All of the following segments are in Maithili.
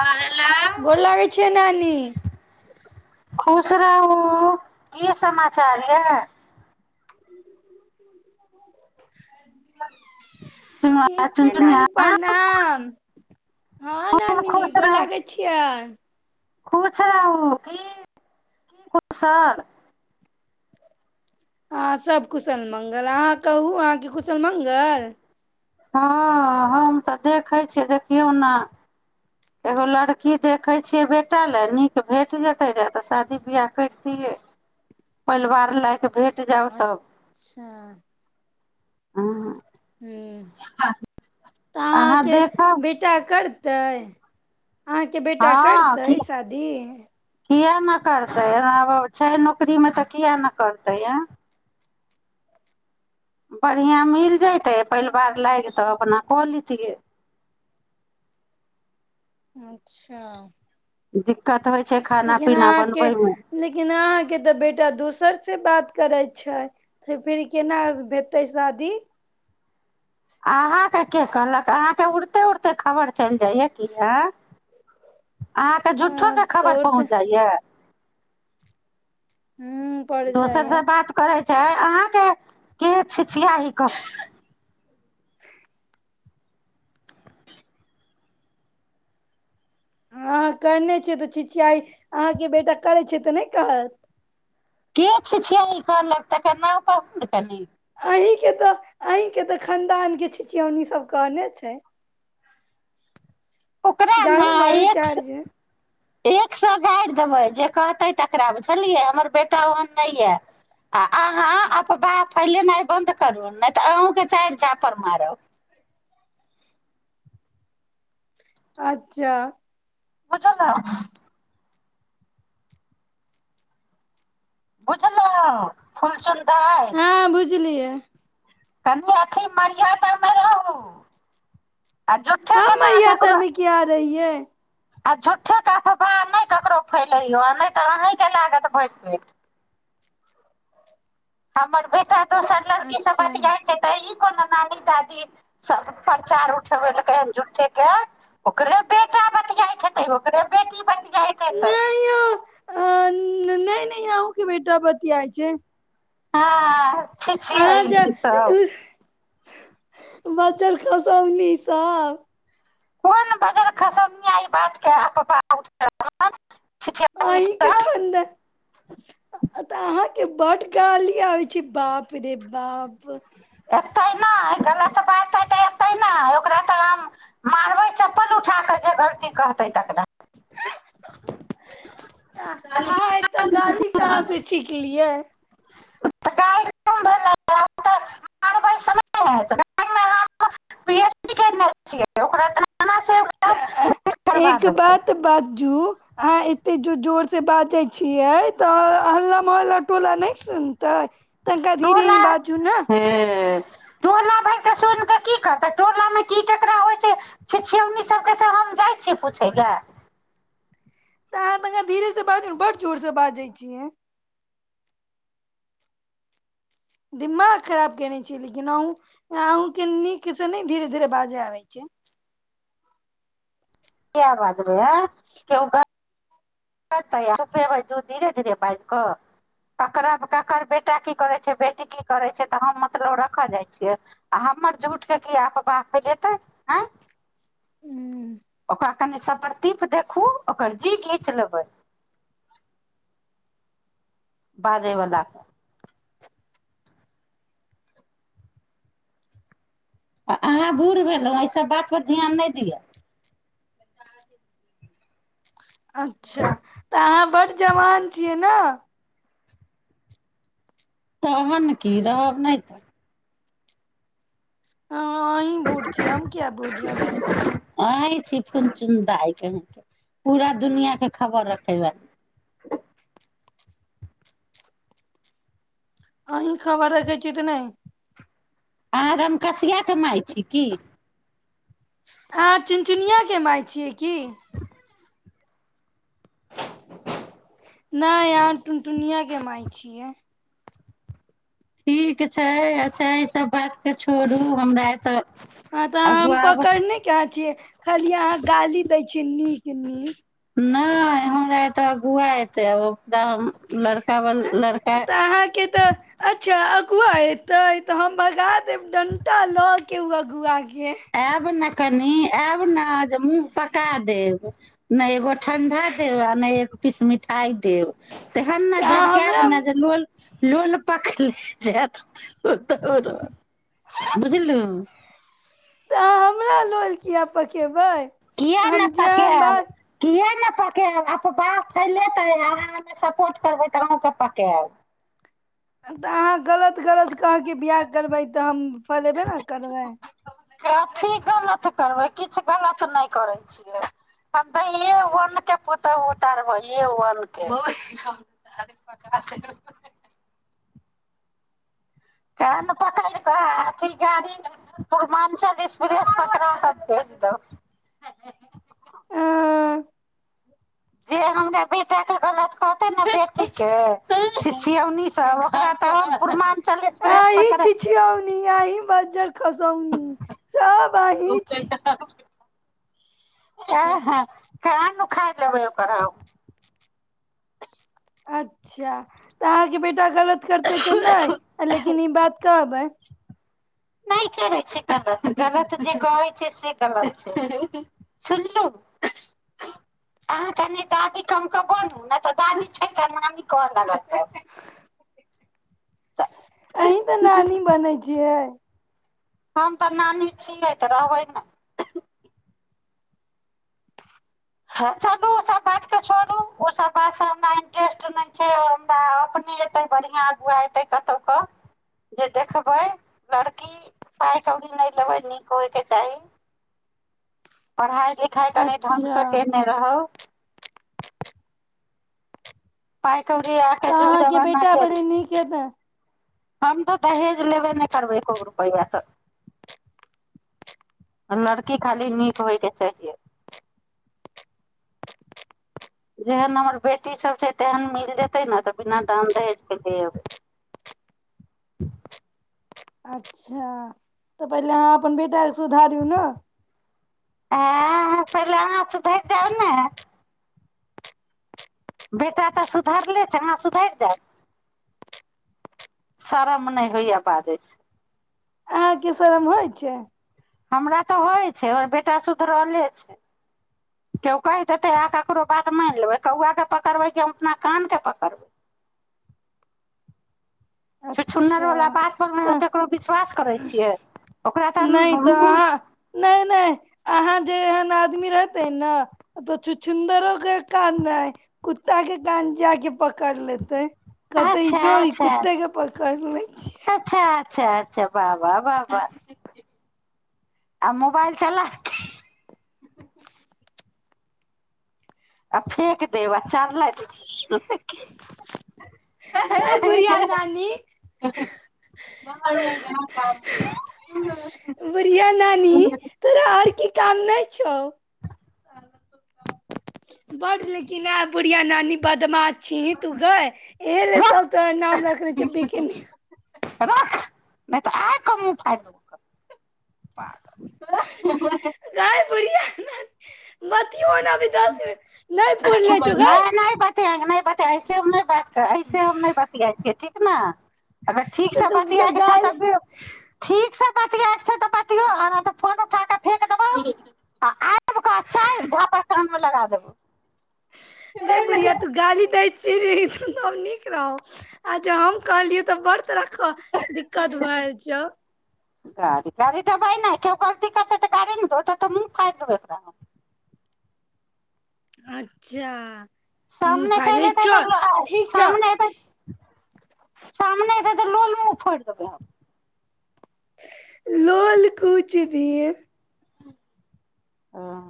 हेलो गोर लागै छै ननी [inaudible] खुश रहू क समाचार य [inaudible] ठीक चुनुआ छै नानी चुनचुनिया प्रणाम हँ खूब नानी गोला गै छियनि खुछ रहू की की कुशर अँ सभ कुशल मङ्गल अहाँ कहू अहाँके कुशल मङ्गल हँ हम तऽ देखै छियै देखियौ ने एगो लड़की देखैत छियै बेटा लए नीक भेट जेतै रहए तऽ शादी बियाह करितियै परिवार लायकऽ भेट जाउ अच्छा आ ह तऽ अहाँ अहाँके देखब बेटा कर दइ हँ किए नहि करतै छै न नकरी मे तऽ कििया नहि करतै तया बढ़िया मिल जयत ते परिवार लागि सब अपना पलीति अच्छा जी लेकिन अहाँके लेकिन अहाँके तऽ बेटा दोसर से बात करै छै से फेर केना हेतै शादी अहाँके के कहलक अहाँके उड़ते उड़ते खबर चलि जाइये की हए अहाँके अ झूठ्ठोके खबर पहुँच तऽ जाइए हूँ पड़ दोसर से जाइया बात करैत छै अहाँके के छी छियह क अहाँ करने छिय तऽ छि छइ अहाँके बेटा करै छै तऽ नहि कहत किछु छिय ई कहलक तकर नाम कहू ने कनी अहींके तऽ अहींके तऽ खानदान के छिचौनी सब कहने छै ओकरा जाउ ने मर एक चार्ज एक सए गारि देबै जे कहतै तकरा बुझलियै हमर बेटा ओहन नहि यए आ अहाँ अपफवाह फैलेनाइ बन्द करू नहि तऽ अहूँके चारि झापर मारब अच्छा बुझल ने बुझल फलसल हँ बुझलियै कनि अथि मरियाादामे रहू आ झूठेके हम ने मरिया तर ककरो मे की आ रही है आ झूट्ठेके फफा नहि ककरो फैलैयए नहि तऽ अहीँके लागत भोट पेट हमर बेटा दोसर लड़की सब अच्छा बतिियाइत छै तऽ ई कोनो नानी दादी सब प्रचार उठ झूठेके ओकरे [unintelligible] खतै होकरेबेी बन इतत नहि यौ नहि नहि आू कि बेटा पति आय छै हँ अचछे छिय ई सब बजर खसौनी सभ कोन बजन खसौनिया ई बातके पाठ अहीं के खानद तऽ अहाँके बड गाली आब छै बाप रे बाप एकत नहि गल तऽ बात हो े ने ओकरा तऽ मारबे चप्पल उठा के जे गलती कहते तकना अहाँ एतऽ गाली कहाँ से छखलियै गाय मार छिय ओकरा त तऽ एक देबै बात बाजू अह त ज जोर से बाजे छिये तऽ अल्ला मोहल्ला टोला न सुनते तू ने हे टोला भरि कऽ सुनि कऽ की करतै टोलामे की ककरा होइ छै छिछिौनी सभके से हम जाइ छियै पूछय लए तऽ अहाँ तऽाँ धीरे से बाजू ने बड्ड जोरसँ बाजै छियै दिमाग खराब केयने छियै लेकिन अूँ अहूँके नीकसँ नहि धीरे धीरे बाजय आबै छै कवाज केओक धीरे धीरे बाज कऽ ककर बेटा की करै छै बेटी की करै छै तऽ हम मतलब रखऽ जाइ छियै आ हमर झूठ के की अफवाह फैलेतै ह ओकरा कनि सब प्रतिप देखू ओकर जी घीच ले ह बाजैवला आ अहाँ बूढ़ भेलहुँ एहिसभ बातपर ध्यान नहि दिअ अच्छा तऽ अहाँ बड जवान छियै नहि तह न की रहब नहि तऽ अहीं बूढ़ छियै हम किया बूढ़ रहबै अइ छी फुर चुनादय कही के पूरा दुनिआँके खबर रखेबै अ खबा रख छी तऽ नहि अहाँ राममकसियाकके मााय छी की अहाँ चुनचुनियाके मााय छियै की नहि आनटुनटुनियाके माय छीये ठीक छै अच्छा ईसभ बातकेँ छोड़ू हमरा एतऽ आगू आब खालिय अहाँ गाली दै छीय नीक नीक नहि हमरा तऽ गुआ एतै आ त लड़का ब लड़का तऽ अहाँके तऽ अच्छा अगुआ एते ते हम बगा देब डंटा ल के उ अगुआ के ए ब न कनी ए ब न जमू पका देब नहि एगो ठण्डा देब आ नहि एक पीस मिठाइ देब तेहन ने तऽ अहाँ झरकायब हमरा ने जे लो लोल पकले जे त बस तऽ अहाँ हमरा लल कििया पकेबै किए हम जेहन नेतााक बात किए ने पकायब आ ब फैले त अहाँ सपोर्ट करबै तऽ अूँके पकायब तऽ अहाँ गलत गलत कहके बियाह करबै तऽ हम फलेबे ने करबै अथी गलत करबै किछु गलत नहि करै छियै हम तऽे ओनके पुतहुह उतारबै ओे कान पकड़ि कऽ अथी गाड़ी पूर्वाञ्चल एक्सप्रेस पकड़ा कऽ भेज दहो अ जे हमरा बेटाके गलत कहतै ने बेटीके छिौनीसँ ओकरा तऽ एक्सप्रेस अहीं पकड़ा छिछीयोनी आनी अही ब खसौनी सब अहि छी आ ह क न खाय ल लबैौ कर अच्छा तऽ अहाँके बे ा गलत करतै तऽ नहि लेकिन ई बात कहबै नहि करै छै गलत गलत जे कहै छै से गलत छै सुनलहु अहाँ कनि दादी कम कऽ बनू नहि तऽ दादी छोड़ि कऽ नामी कहऽ लागत अहीं तऽ नानी बनै छियै हम तऽ नानी छियै तऽ रहबै ने हँ चलू ओसभ बातके छोड़ू ओसभ बातसँ हमरा इंटरेस्ट नहि छै हमरा अपने एतै बढ़िआँ अगुआ एतै कतहुके जे देखबै लड़की पाइ कौड़ी नहि लेबै नीक होयके चाही पढ़ाइ देखाय कने अच्छा ढंगगसँ केने रह पा तऽ आुग अहाँके जमाना बेटा पहिले नीक हेतै हम तो दहेज लेबे ने करबै एको रुपैआ तऽ लड़की खाली नीक होयके चाहियए जेहन हमर बेटी सब छै तेहन मिल जेतै ने तऽ बिना दान दहेज के ले अबै अच्छा तऽ पहिले अहाँ अपन बेटाके सुधारू ने हँ पहिले अाँ सुधरि जाउ ने बेटा तऽ सुधरले छै अहाँ सुधरि जायब सारा म नहि होइय बाजैसँ अहकेशरम होइ छै हमरा तऽ होइ छै आओर बेटा सुधरले छै केओ कहि देतै आ ककरो बात मानि लेबै कौआके पकड़बै केओ हम अपना कानके पकड़बै छुछुन्नर वाला अच्छा बात पर मे हम तऽ केकरो विश्वास करै छियै नहि तऽ अहाँ नहि नहि अहाँ जे एहन आदमी रहते ने तऽ छुछुन्दरो के कान ने कुत्ता के कान जााक पकड़ लेते कत ई अच्छा जो ई अच्छा कुत्ते प क ल छै अच्छा अच्छा अच्छा बाबा बाबा आ मोबाइल चला आ फेेक देब आ चारल बुढ़िया नानी बुढ़िया नानी तोरा आओर की काम नहि छौ बड़ लेकिन ह बुढ़िया नानी बदमाश छीी तू गा एलसाल त नाम रखने च बी केनी रख नहि तऽ आ क फायदो प बतियौ ने अभी दस मिन नहि पूल ले चुकै नहि नहि पताेऐे बात के ऐसे हम नहि बतििया छियै ठीक ना अगर तऽ ठीकसँ तू जब बतियाएके छौ त गाली ठीकसँ त फोन उठ फ देब अच्ा झ लगा देब गै बुढ़िया तू गाली दै चीड़ी तब नीक रह आ ज हम कहलियै तऽ बड़ रख दिक्कत भए छौ गाड़ी गाड़ी तऽ भहि नहि केकर दिक्कत छै तऽ गाी नहि धत तऽ म फारि देबै ओकरा हम अच्छा मुँह सामने चलि फाड़ि एतै छौ तब ले ओ ठीक छौ सामने एतै सामने एत तऽ लोल मु फोरि देबै लोल कूच दिए हं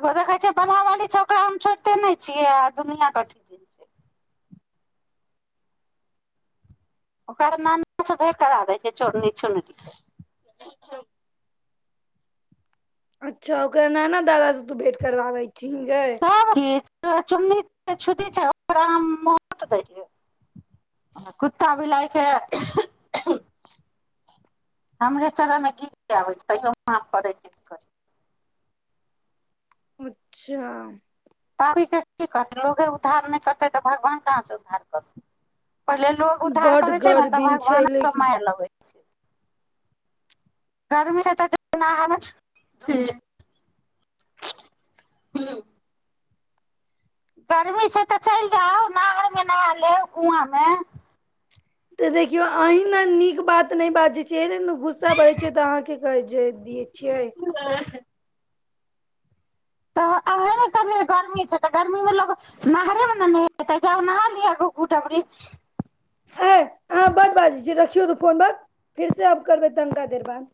एगो देखै छियै बलहावाली छै ओकरा हम छोड़िते नहि छियै आ दुनिआँ कथी ओकरा नाना से भेट करा दै छियै चोरनी छुनी अच्छा ओकरा नाना दादा से तू भेंट करवाबै छीहीं गै सब चुन्नी छुट छै ओकरा हम दै कुत्ता बिलायके हमरे चर मे गिबयो अच्छा करीके की करतै लोकोगे उधार नहि करतै तऽ भगवान कहाँसँ उद्धार करतै पहिले लोग उधार बड करै छै ने तब गर्मी छै भगबानोके लेकिन मारि लगै छै छै गर्मीसँ तऽ जेना हालत छै गर्मी छै तऽ चलि जाउ नहा ओइमे नहा लेब कुंआमे तऽ देखियौ अहीं न नीक बात नहि बाजै छियै एहिले न गुस्सा बढ़ै छै तऽ अहाँके कहै छियै दि छियै [unintelligible] तऽ अहीँ ने करलियै गर्मी छै तऽ गर्मीमे लोक नहरेमे ने नहेतै जाब नहा लिय ग डबरी हँ बड़ बाजै छियै रखियौ त कोन बात फेर से आब करबै तनिका देर बाद